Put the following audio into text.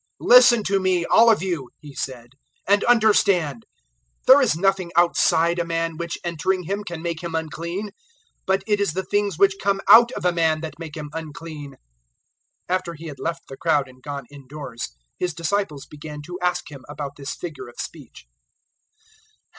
"Listen to me, all of you," He said, "and understand. 007:015 There is nothing outside a man which entering him can make him unclean; but it is the things which come out of a man that make him unclean." 007:016 [] 007:017 After He had left the crowd and gone indoors, His disciples began to ask Him about this figure of speech.